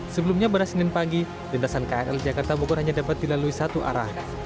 sebelumnya pada senin pagi lintasan krl jakarta bogor hanya dapat dilalui satu arah